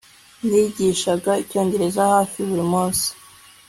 Nigisha icyongereza hafi buri munsi